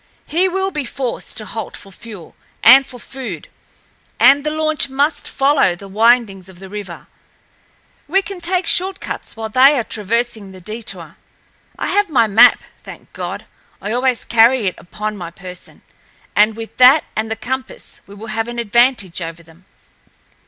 He will be forced to halt for fuel and for food, and the launch must follow the windings of the river; we can take short cuts while they are traversing the detour. I have my map—thank God! I always carry it upon my person—and with that and the compass we will have an advantage over them."